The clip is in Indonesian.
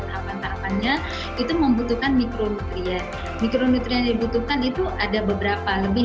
tahapan tahapannya itu membutuhkan mikronutrien mikronutrien yang dibutuhkan itu ada beberapa lebih